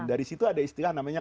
dari situ ada istilah namanya